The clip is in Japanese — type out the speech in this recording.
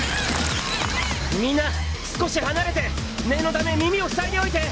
みんな少し離れて念のため耳を塞いでおいて。